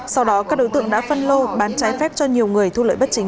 sau đó các đối tượng đã phân lô bán trái phép cho nhiều người thu lợi bất chính